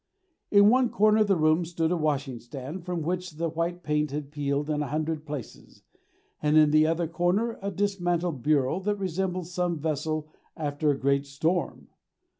In one corner of the room stood a washing stand from which the white paint had peeled in a hundred places, and in the other corner a dismantled bureau that resembled some vessel after a great storm.